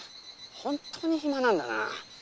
本当に暇なんだなあ。